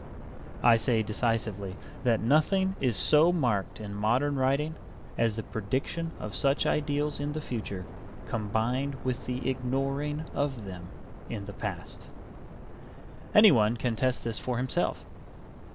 I say decisively that nothing is so marked in modern writing as the prediction of such ideals in the future combined with the ignoring of them in the past. Anyone can test this for himself.